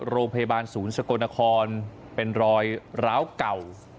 โรงพยาบาลศูนย์สกลนครเป็นรอยร้าวเก่า